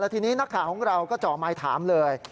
ทีนี้นักข่าวของเราก็เจาะไมค์ถามเลย